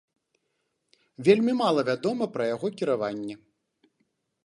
Вельмі мала вядома пра яго кіраванне.